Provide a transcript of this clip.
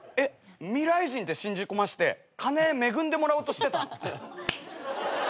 未来人って信じ込ませて金恵んでもらおうとしてた？